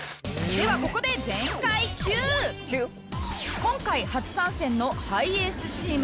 ではここで今回初参戦のハイエースチーム